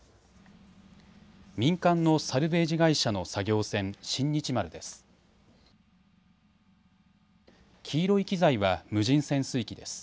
民間のサルベージ会社の作業船新日丸です。